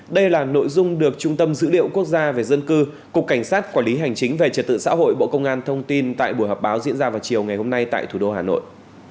đây là nội dung được trung tâm dữ liệu quốc gia về dân cư cục cảnh sát quản lý hành chính về trật tự xã hội bộ công an thông tin tại buổi họp báo diễn ra vào chiều ngày hôm nay tại thủ đô hà nội